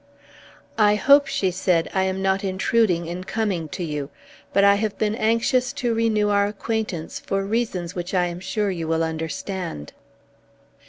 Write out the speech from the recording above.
"I hope," she said, "I am not intruding in coming to you; but I have been anxious to renew our acquaintance for reasons which I am sure you will understand."